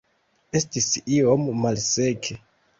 Estis iom malseke.